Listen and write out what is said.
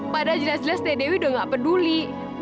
padahal jelas jelas teh dewi udah nggak peduli